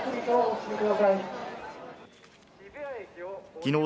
きのう